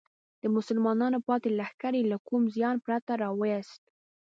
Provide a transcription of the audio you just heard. د مسلمانانو پاتې لښکر یې له کوم زیان پرته راوویست.